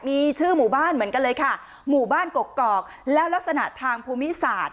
มีชื่อหมู่บ้านเหมือนกันเลยค่ะหมู่บ้านกกอกแล้วลักษณะทางภูมิศาสตร์